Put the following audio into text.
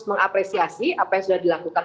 mengapresiasi apa yang sudah dilakukan